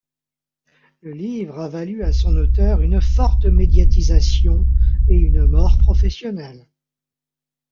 Le livre a valu à son auteur une forte médiatisation, et une mort professionnelle.